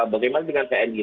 bagaimana dengan tni